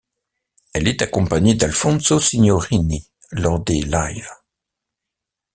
Elle est accompagnée d'Alfonso Signorini lors des live.